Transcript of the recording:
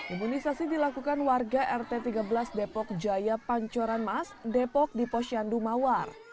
imunisasi dilakukan warga rt tiga belas depok jaya pancoran mas depok di posyandu mawar